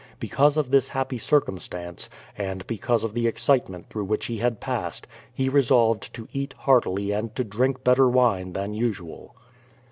Because of this happy circumstance, and be cause of the excitement through wliich he had i)a88ed, ho resolved to eat heartily and to drink better wine than usual.